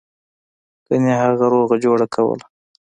ګنې هغه روغه جوړه کوله.